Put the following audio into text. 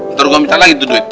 ntar gue minta lagi tuh duit